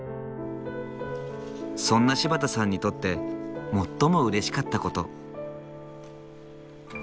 そんな柴田さんにとって最もうれしかった事。